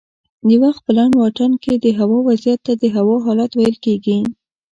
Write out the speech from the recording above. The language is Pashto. د وخت په لنډ واټن کې دهوا وضعیت ته د هوا حالت ویل کېږي